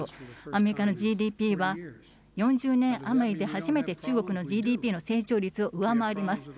アメリカのＧＤＰは、４０年余りで初めて中国のＧＤＰの成長率を上回ります。